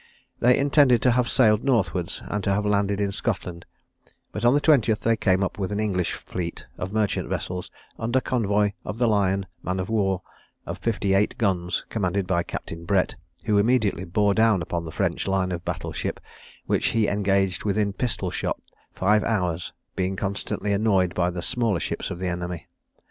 They intended to have sailed northwards, and to have landed in Scotland; but on the 20th they came up with an English fleet of merchant vessels, under convoy of the Lion man of war, of fifty eight guns, commanded by Captain Brett, who immediately bore down upon the French line of battle ship, which he engaged within pistol shot five hours, being constantly annoyed by the smaller ships of the enemy.